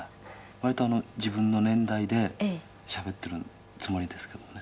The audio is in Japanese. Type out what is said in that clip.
割と、自分の年代でしゃべってるつもりですけどね。